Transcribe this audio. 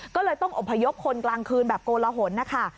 ก็เลยต้องอบพยพคนกลางคืนแบบโกลหนนะคะ